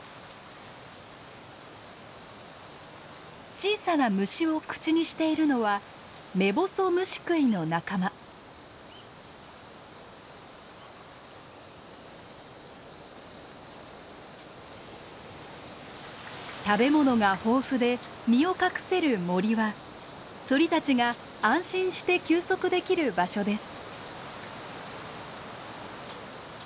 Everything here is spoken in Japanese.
小さな虫を口にしているのは食べ物が豊富で身を隠せる森は鳥たちが安心して休息できる場所です。